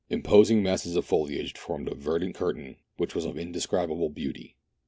Imposing masses of foliage formed a verdant curtain which was of indescribable beauty.